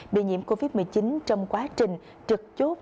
bị nhiễm covid một mươi chín trong quá trình trực chốt